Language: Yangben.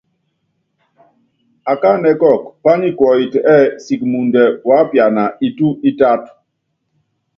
Akání kɔkɔ, pányikuɔyiti ɛ́ɛ siki muundɛ wuápiana itu itátɔ́.